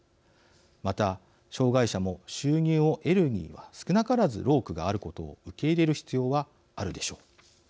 また、障害者も収入を得るには少なからず労苦があることを受け入れる必要はあるでしょう。